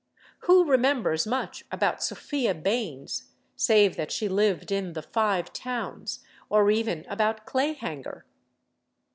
Who remembers much about Sophia Baines, save that she lived in the Five Towns, or even about Clayhanger?